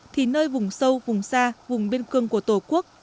thì nơi vùng sâu vùng xa vùng biên cương của tổ quốc